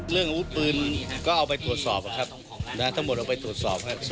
อาวุธปืนก็เอาไปตรวจสอบครับทั้งหมดเอาไปตรวจสอบครับ